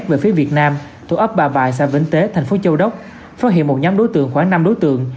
về phía việt nam tổ ấp ba vài xa vĩnh tế thành phố châu đốc phát hiện một nhóm đối tượng khoảng năm đối tượng